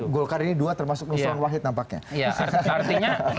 golkar ini dua termasuk nusron wahid nampaknya